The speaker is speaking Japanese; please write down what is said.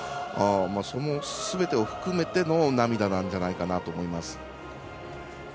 そのすべてを含めての涙なんじゃないかなと思います。